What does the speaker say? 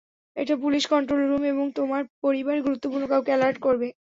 এটা police control room এবং তোমার পরিবারের গুরুত্বপূর্ণ কাউকে এলার্ট করবে।